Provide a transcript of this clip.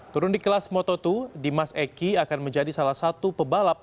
turun di kelas moto dua dimas eki akan menjadi salah satu pebalap